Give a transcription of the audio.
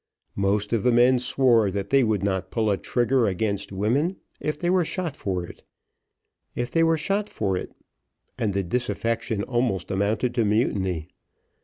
Most of the men swore that they would not pull a trigger against women, if they were shot for it, and the disaffection almost amounted to mutiny.